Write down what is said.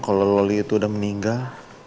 kalau loli itu udah meninggal